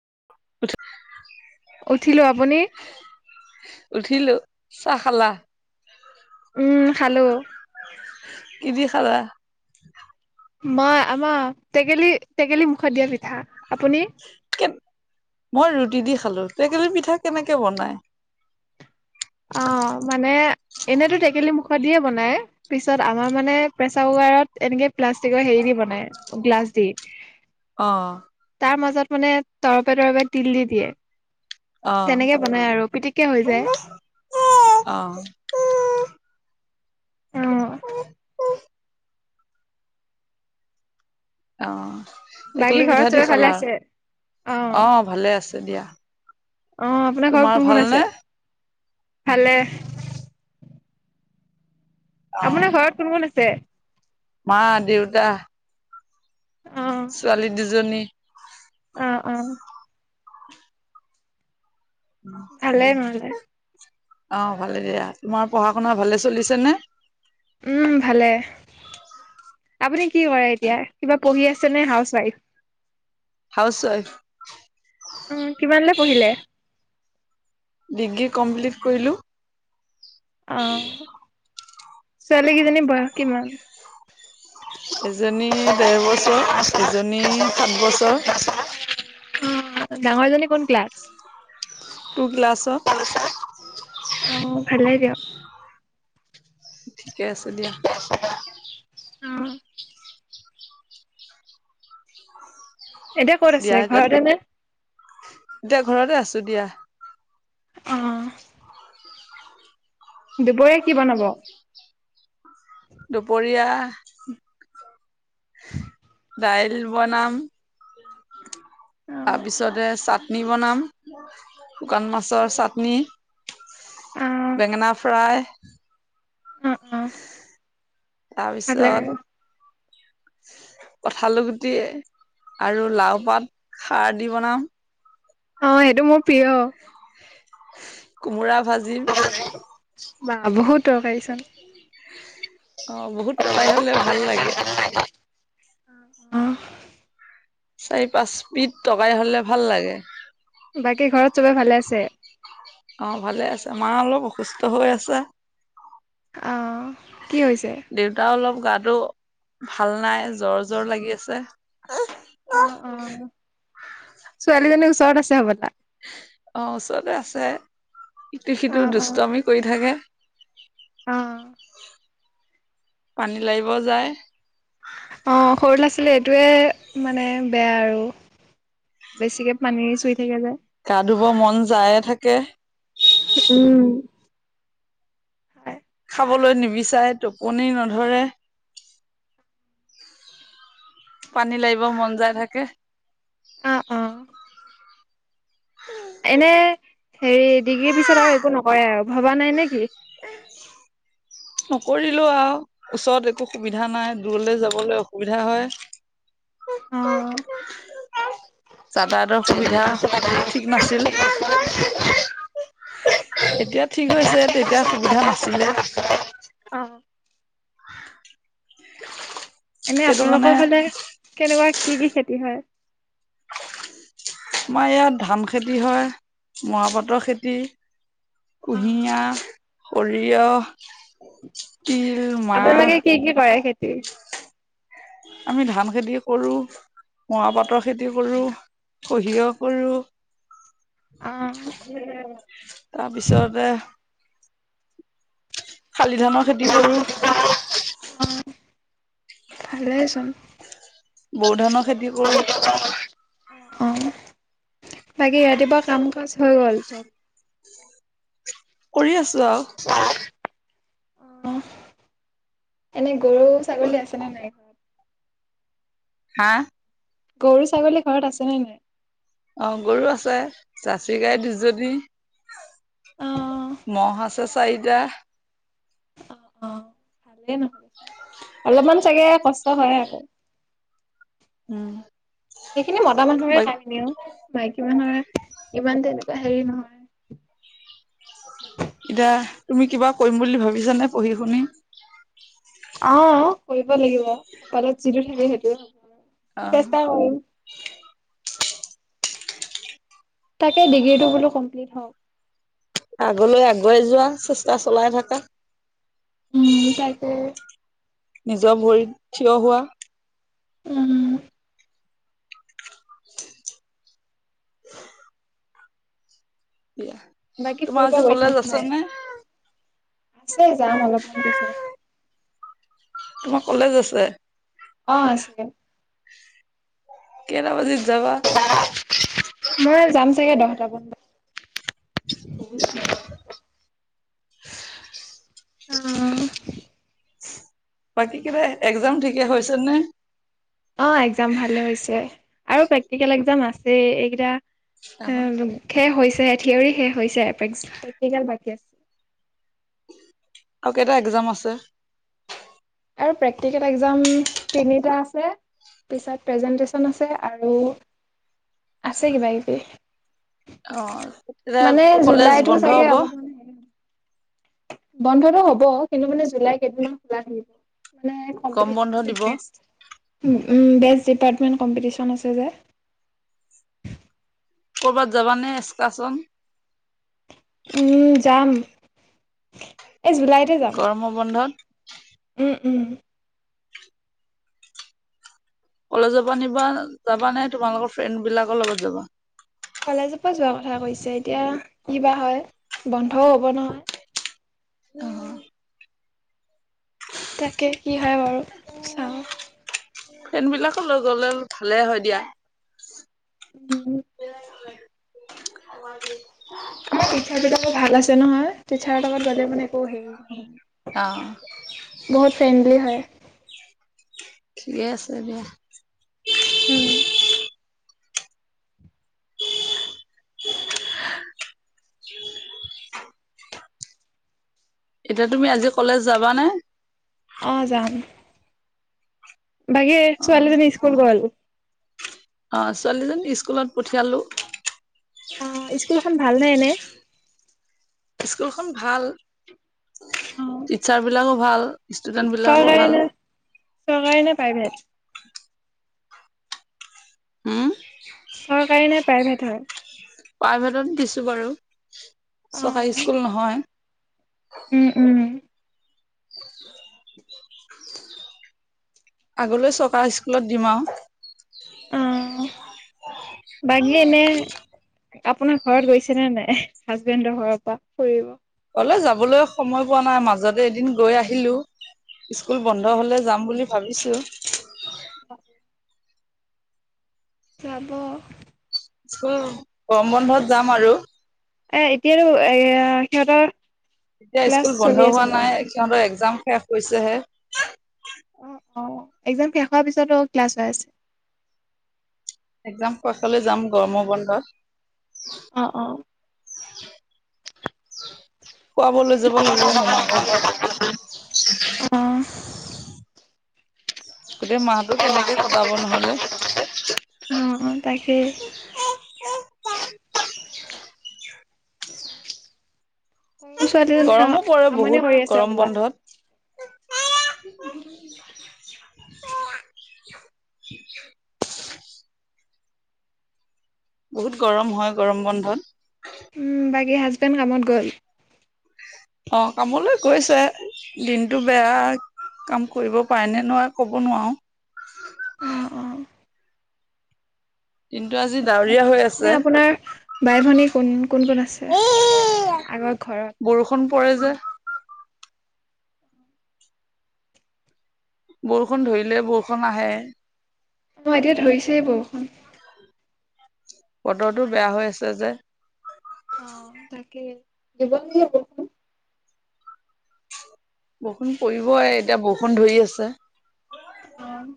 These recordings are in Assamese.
[inaudible] উঠিলো, আপুনি? উঠিলো চাহ খালা? উম খালো। কি দি খালা? মই, আমাৰ টেকেলি টেকেলি মুখত দিয়া পিঠা। আপুনি? কে মই ৰুটি দি খালো। টেকেলি পিঠা কেনেকে বনাই? অ', মানে এনেতো টেকেলি মুখত দিয়ে বনাই পিছত আমাৰ মানে প্ৰেচাৰ কু ৰত এনেকে প্লাষ্টিক হেৰি দি বনাই, গ্লাছ দি। অ তাৰ মাজত মানে তৰপে তৰপে তিল দি দিয়ে। অ তেনেকে বনাই আৰু পিটিকে হৈ যায়। অঁ। অ [unintelligible] অ', বাকী টেকেলি ঘৰত পিঠা দি চবে ভালে খালা, আছে আৰু অ', ভালে আছে দিয়া। অ', আপোনাৰ ঘৰত তোমাৰ কোন কোন ভালনে আছে? ভালে। আপোনাৰ ঘৰত কোন কোন আছে? মা দেউতা। অ ছোৱালী দুজনী। অঁ। ভালেই নহলে। অ, ভালে দিয়া তোমাৰ পঢ়া শুনা ভালে চলিছে নে? উম, ভালে আপুনি কি কৰে এতিয়া কিবা পঢ়ি আছে? চনে হাউচৱাইফ? হাউচৱাইফ। অ, কিমানৈ পঢ়িলে? ডিগ্ৰী কমপ্লিট কৰিলোঁ। আহ ছোৱালীকেইজনানী ব কিমান এজনী ডৰ বছৰ এজনী সাত বছৰ। অ, ডাঙৰজনী কোন ক্লাছ? টু ক্লাছত অ, ভালেই দিয়ক। ঠিকে আছে দিয়া। অহ ', এতিয়া ক'ত দিয়া আছে এতিয়া ঘৰতে নে? এতিয়া ঘৰতে আছো দিয়া। অহ। দুপৰীয়া কি বনাব? দুপৰীয়া দাইল বনাম অ', তাৰপিছতে চাটনি বনাম শুকান মাছৰ চাটনি অ', বেঙেনা ফ্ৰাই অ', অ', ভালে তাৰপিছত কঁঠাল গুটি আৰু লাও পাত খাৰ দি বনাম। অ সেইটো মোৰ প্ৰিয়। কোমোৰা ভাজিম বা বহুত তৰকাৰী চোন। অ বহুত তৰকাৰী হ'লে ভাল লাগে। অহ। চাৰি পাঁচবিধ তৰকাৰী হ'লে ভাল লাগে। বাকী ঘৰত চবে ভালে আছে? অ ভালে আছে, মা অলপ অসুস্থ হৈ আছে। আহ, কি হৈছে? দৌঅ ভাল নাই জ্বৰ জৰ লাগি আছে। অ অ ছোৱালীজনীৰ ওচৰত আছে হ'বত অ ওচৰতে আছে ইটো সিটো অ', অ', দুষ্টমি কৰি থাকে। অ' পানী লাৰিব যায়। অ' সৰু ল'ৰা-ছোৱালীৰ এইটোৱে মানে বেয়া আৰু বেছিকে পানী চুই থাকে যে। গা ধুব মন যায়ে থাকে। উম হয় খাবলৈ নিবিচাৰে, টোপনি নধৰে। পানী লাৰিব মন যায় থাকে। অ অ এনে হেৰি ডিগ্ৰীৰ পিছত আৰু একো নকৰে আৰু ভবা নাই নেকি। [unintelligible] নকৰিলোঁ আৰু ওচৰত একো সুবিধা নাই দূৰলৈ যাবলৈ অসুবিধা হয়। [unintelligible] অ [unintelligible] যাতায়াতৰ সুবিধা ঠিক নাছিল। এতিয়া ঠিক হৈছে তেতিয়া সুবিধা নাছিলে। আহ এনে সেইটো আপোনালোকৰ কাৰণে ফালে কেনেকুৱা কি কি খেতি হয়। আমাৰ ইয়াত ধান খেতি হয় মৰাপাতৰ খেতি কুঁহিয়াৰ, সৰিয়হ তিল মাহ আপোনালোকে কি কি কৰে খেতি? আমি ধান খেতি কৰোঁ, মৰাপাটৰ খেতি কৰোঁ। সহিয় কৰো। অ তাৰপিছতে শালি ধানৰ খেতি কৰো। আহ, ভালেচোন। বোৰ ধানৰ খেতি কৰো। অ' অ' বাকী ৰাতিুৱা কাম কাজ হৈ গ'ল চ'ব। কৰি আছো আৰু আহ এনে গৰু ছাগলী আছে নে নাই। হা গৰু ছাগলী ঘৰত আছেনে নাই। অ' গৰু আছে জাচি গাই দুজনি অ ম'হ আছে চাৰিটা। অ' অ' ভালেই নহয়োন অলপমান। চাগে কষ্ট হয় আকৌ। উম। সেইখিনি মতা মানুহৰে কামখিনিও মাইকী মানুহৰে ইমান তেনেকুৱা হেৰি নহয়। এতিয়া তুমি কিবা কৰিম বুলি ভাবিছানে পঢ়ি শুনি। আহ কৰিব লাগিব। কপালত যিটো থাকে সেইটো অ হ'ব চেষ্টা কৰিম। তাকে ডিগ্ৰীটো বোলো কমপ্লিট হওঁক। আগলৈ আগুৱাই যোৱা চেষ্টা চলাই থাকা। উম, তাকে। নিজৰ ভৰিত থিয় হোৱা। উম। দিয়া বাকী তোমাৰ ফুৰিব আজি গৈছা কলেজ নে আছে নাই। আছে যাম অলপমান পিছত। তোমাৰ কলেজ আছে। অ' আছে কেটা বজিত যাবা। মই যাম চাগে দহটা মান বজাত। [unintelligible] বাকী কিবা একজাম ঠিকে হৈছে নে। অ' একজাম ভালে হৈছে আৰু প্ৰেক্টিকেল একজাম আছে, এইকেইটা আৰু উম শেষ হৈছে। থিয়ৰ শে হৈছে, প্ৰেক্টিকেল বাকী আছে। আকৌ এটা এক্সাম আছে। আৰু প্ৰেক্টিকেল এক্সাম তিনিটা আছে। পিছত প্ৰেজেণ্টেশ্যন আছে আৰু আছে কিবা কিবি। অ' তেতিয়া মানে কলেজ জুলাইতো বন্ধ চাগে হ'ব অলপমান বন্ধটো হ'ব কিন্তু মানে জুলাই কেইদিনমান খোলা থাকিব। মানে গম কম্পিটিচন বন্ধ আছে দিব বেষ্ট উ। উম, বেষ্ট ডিপাৰ্টমেণ্ট কম্পিটিচন আছে যে। কৰবাত যাবানে এক্সকাৰচন? উম, যাম। এ জুলাইতে যাম গৰমৰ বন্ধত উম, উম। কলেজৰ নিবা যাবা নে তোমালোকৰ ফ্ৰেণ্ড বিলাকৰ লগত যাবা? কলেজৰ পৰা যোৱা কথা কৈছে এতিয়া কিবা হয় বন্ধও হব নহয়। অহ', তাকে কি হয় বাৰু চাওঁ। ফেনবিলাকো লৈ গ'লে ভালে হয় দিয়া। উম। [inaudible] শিক্ষা দিক্ষা শতো ভাল আছে নহয়। টিচাৰ লগত গ'লে মানে একো হেৰি নহয় অ', বহুত ফ্ৰেণ্ডলি হয়। ঠিকে আছে দিয়া। উম, [unintelligible] এতিয়া তুমি আজি কলেজ যাবানে? অ, যাম। বাগে অ', ছোৱালীজনী স্কুল গ'ল? অ, ছোৱালীজনী স্কুলত পঠিয়ালো। অ, স্কুলখন ভালনে এনে? স্কুলখন ভাল টিচাৰ বিলাকো ভাল। ষ্টুডেণ্ট বিলাকো চৰকাৰী ভাল। নে, চৰকাৰী নে প্ৰাইভেট? উম, চৰকাৰী নে প্ৰাইভেট হয়? প্ৰাইভেটতে দিছো বাৰু চৰকাৰী স্কুল নহয়। উম-উম আগলৈ চৰকাৰ স্কুলত দিম আৰু। অ'। বাকী এনে আপোনাৰ ঘৰত গৈছেনে নাই হাজবেণ্ডৰ ঘৰৰ পৰা ফুৰিব? [unintelligible] যাবলৈ সময় পোৱা নাই মাজতে এদিন গৈ আহিলো। স্কুল বন্ধ হ'লে যাম বুলি ভাবিছো। [unintelligible] যাব। স্কুল গৰম বন্ধত যাম আৰু। এ এতিয়াতো এয়া সিহঁতৰ এতিয়া ক্লাছ স্কুল বন্ধ চলি হোৱা আছে ন? নাই সিহঁতৰ একজাম শেষ হৈছেহে। অএকজাম শেষ হোৱাৰ পিছতো ক্লাছ হৈ আছে। একজাম খচলৈ যাম গৰমৰ বন্ধত। অ', অ', [unintelligible] খুৱাবলৈ যাব লাগিব মোমাকৰ ঘৰত। অ গোটেই মাহটো কেনেকে কটাব নহলে? তাকে [unintelligible] সৰু ছোৱালীজনী গৰমো পৰে আমনি বহুত কৰি আছে গৰম হ'বলা। বন্ধত। আয়া [unintelligible] [unintelligible] বহুত গৰম হয় গৰম বন্ধত। উম, বাকী হাজবেণ্ড কামত গ'ল? অ, কামলৈ গৈছে দিনটো বেয়া কাম কৰিব পাৰে নে নোৱাৰ কব নোৱাৰো। অ অ কিন্তু আজি ডাউৰ এ আপোনাৰ বাই-ভনী কোন কোন কোন আছে? আগৰ ঘৰত। বৰষুণ পৰে যে বৰষুণ ধৰিলে বৰষুণ আহে। অ', এতিয়া ধৰিছেই বৰষুণ। বতৰতো বেয়া হৈ আছে যে। অ, তাকেই দিব নে [unintelligible] বৰষুণ পৰিবই এতিয়া বৰষুণ ধৰি আছে। অহ',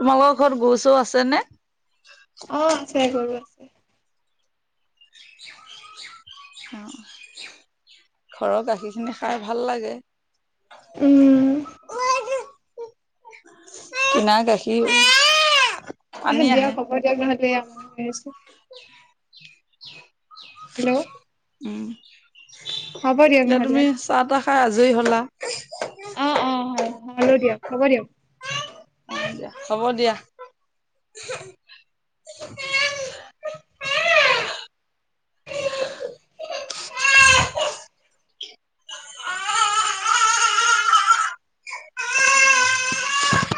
তোমালোকৰ ঘৰত গৰু চো আছে নে? অ, আছে গৰু আছে। [unintelligible] ঘৰত আহি [unintelligible] ভাল লাগে। উম। কিনা গাখীৰ এ পানী দিয়া আহে। হব দিয়ক নহলে, আমনি হৈ আছে। হেল্ল'? উম, হ'ব দিয়ক এতিয়া নহ'লে। তুমি চাহ তাহ খাই আজৰি হ'লা? অ অ [unintelligible] দিয়ক হব দিয়ক। দিয়া, হ'ব দিয়া।